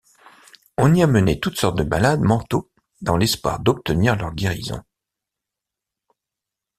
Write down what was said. On y amenait toutes sortes de malades mentaux dans l'espoir d'obtenir leur guérison.